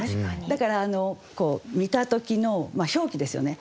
だから見た時の表記ですよね。